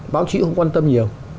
báo chí cũng không quan tâm nhiều